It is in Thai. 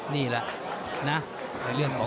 นี่แหละนะ